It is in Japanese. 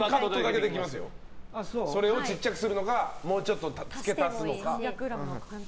それを小さくするのかもうちょっと付け足すのか。